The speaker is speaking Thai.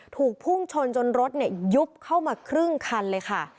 ถูกพุ่งชนจนรถยุบเข้ามาครึ่งคันเลยค่ะ